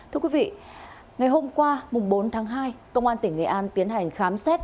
thưa quý vị ngày hôm qua bốn tháng hai công an tỉnh nghệ an tiến hành khám xét